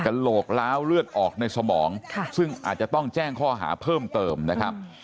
โหลกล้าวเลือดออกในสมองซึ่งอาจจะต้องแจ้งข้อหาเพิ่มเติมนะครับ